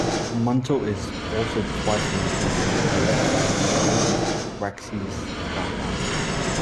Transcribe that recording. Monto is also twice mentioned in the Irish folk song "Waxies' Dargle".